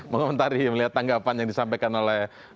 mengomentari melihat tanggapan yang disampaikan oleh